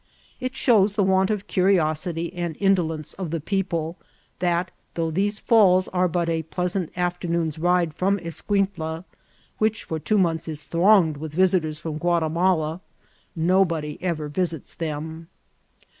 It shows the want of curiosity and indolence of the people, that, though these fiedls are but a pleasant afternoon's ride from Escuintla, which for two months is thronged with visiters from Ouatimala, nobody ever visits them.